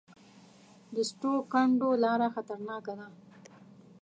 د سټو کنډو لاره خطرناکه ده